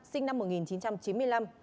sinh năm một nghìn chín trăm chín mươi năm